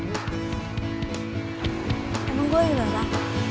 emang gue ilah lah